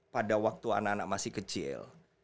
pada waktu anak anak masih kecil